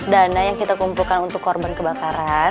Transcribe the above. dana yang kita kumpulkan untuk korban kebakaran